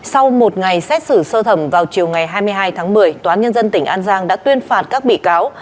sau một ngày xét xử sơ thẩm vào chiều ngày hai mươi hai tháng một mươi tòa án nhân dân tỉnh an giang đã tuyên phạt các bị cáo